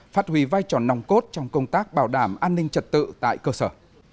phát huy vai trò nòng cốt trong công tác bảo đảm an ninh trật tự tại cơ sở